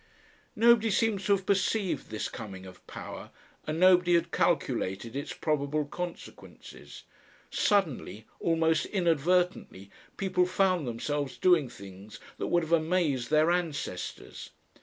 Nobody seems to have perceived this coming of power, and nobody had calculated its probable consequences. Suddenly, almost inadvertently, people found themselves doing things that would have amazed their ancestors.